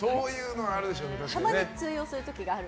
たまに通用する時がある。